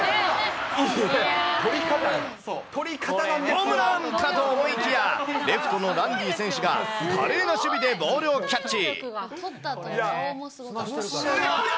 ホームランかと思いきや、レフトのランディ選手が華麗な守備でボールをキャッチ。